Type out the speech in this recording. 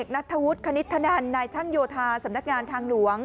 นัทธวุฒิคณิตธนันนายช่างโยธาสำนักงานทางหลวง